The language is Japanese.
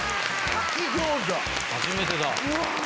初めてだ。